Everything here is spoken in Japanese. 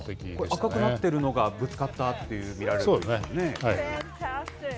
赤くなってるのがぶつかったと見られるんですか。